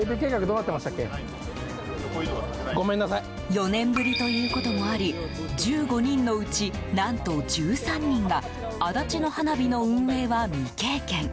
４年ぶりということもあり１５人のうち、何と１３人が足立の花火の運営は未経験。